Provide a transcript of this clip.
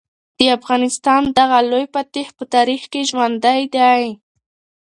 د افغانستان دغه لوی فاتح په تاریخ کې ژوندی دی.